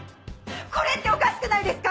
これっておかしくないですか？